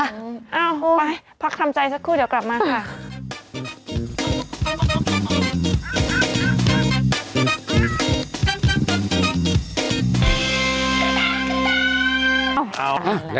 เอาไปพักทำใจสักครู่เดี๋ยวกลับมาค่ะ